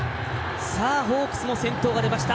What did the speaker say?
ホークスも先頭が出ました。